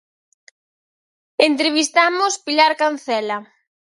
Entrevistamos Pilar Cancela.